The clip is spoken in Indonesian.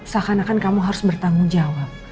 seakan akan kamu harus bertanggung jawab